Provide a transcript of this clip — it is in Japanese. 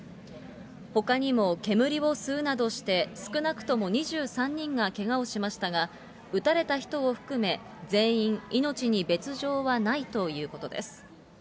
ほかにも煙を吸うなどして、少なくとも２３人がけがをしましたが、撃たれた人を含め、全員命に別状はないということです。